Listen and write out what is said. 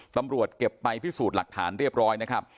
ตำรวจเก็บไปพิสูจน์หลักฐานเรียบร้อยนะครับ